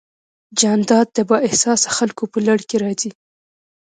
جانداد د بااحساسه خلکو په لړ کې راځي.